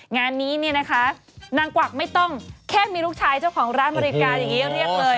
งานนี้เนี่ยนะคะนางกวักไม่ต้องแค่มีลูกชายเจ้าของร้านบริการอย่างนี้เรียกเลย